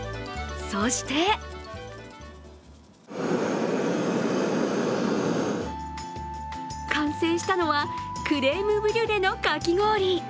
そして完成したのはクレームブリュレのかき氷。